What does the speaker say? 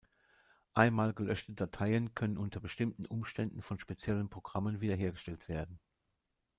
Einmal gelöschte Dateien können unter bestimmten Umständen von speziellen Programmen wiederhergestellt werden.